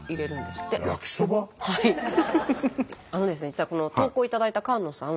実はこの投稿を頂いた菅野さん